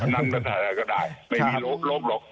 นั้นก็ได้ไม่มีลบลบหรอก